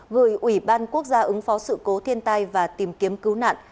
gửi ủy ban quốc gia ứng phó sự cố thiên tai và tìm kiếm cứu nạn